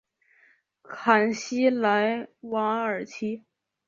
坎西莱瓦尔齐。